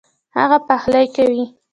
هغه پخلی کوي